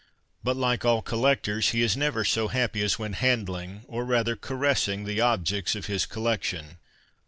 But, like all collectors, he is never so happy as when handling, or rather caressing the objects of his collection.